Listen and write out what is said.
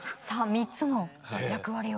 ３つの役割を。